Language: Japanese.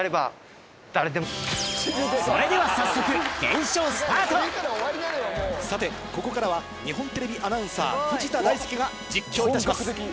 それでは早速さてここからは日本テレビアナウンサー藤田大介が実況いたします。